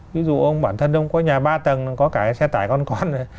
ví dụ ông bản thân ông có nhà ba tầng có cái xe tải con con